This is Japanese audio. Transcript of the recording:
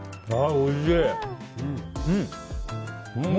おいしい！